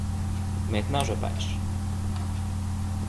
Maintenant je pêche.